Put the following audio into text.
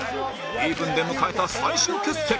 イーブンで迎えた最終決戦